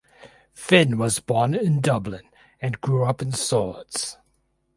Finn was born in Dublin and grew up in Swords.